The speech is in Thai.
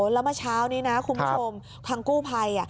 แล้วเมื่อเช้านี้นะคุณผู้ชมทางกู้ภัย